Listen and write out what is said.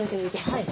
はい。